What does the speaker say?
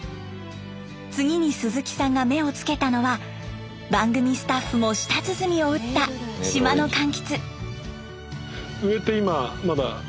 次に鈴木さんが目をつけたのは番組スタッフも舌鼓を打った島の柑橘。